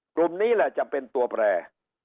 กลุ่มนี้แหละจะเป็นตัวแปร